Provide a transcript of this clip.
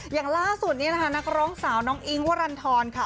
อย่างล่าสุดนี้นะคะนักร้องสาวน้องอิ๊งวรรณฑรค่ะ